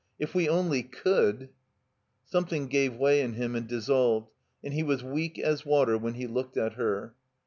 *'K we only could—'' Something gave way in him and dissolved, and he was weak as water when he looked at her.